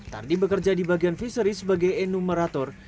tardi bekerja di bagian fisery sebagai enumerator